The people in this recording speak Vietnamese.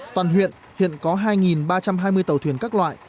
toàn huyện hiện có hai ba trăm hai mươi tàu thuyền các loại